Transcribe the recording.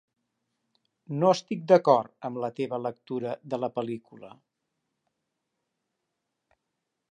No estic d'acord amb la teva lectura de la pel·lícula.